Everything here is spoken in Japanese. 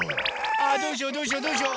ああどうしようどうしようどうしよう。